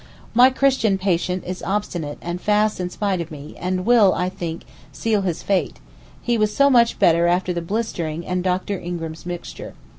My Christian patient is obstinate, and fasts, in spite of me, and will, I think, seal his fate; he was so much better after the blistering and Dr. Ingram's mixture.